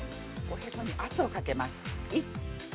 おへそに圧をかけます。